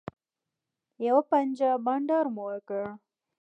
یوه پنجه بنډار مو وکړ.